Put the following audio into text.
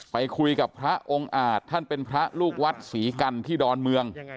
ไปคุยกับพระองค์อาจท่านเป็นพระลูกวัดศรีกันที่ดอนเมือง